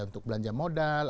ada untuk belanja modal